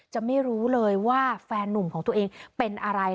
ไม่รู้เลยว่าแฟนนุ่มของตัวเองเป็นอะไร